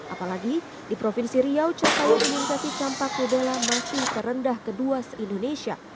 apalagi di provinsi riau capaian imunisasi campak rubella masih terendah kedua se indonesia